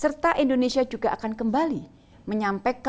serta indonesia juga akan kembali menyatakan perbicaraan tentang kebenaran manusia